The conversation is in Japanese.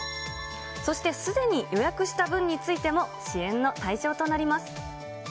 そしてすでに予約した分についても、支援の対象となります。